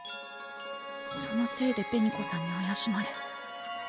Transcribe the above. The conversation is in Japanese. そのせいで紅子さんにあやしまれ。